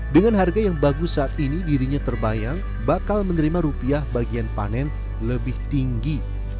dengan harga yang bagus saat ini dirinya terbayang bakal menerima rupiah bagian panen lebih tinggi